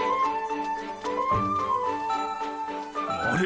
あれ？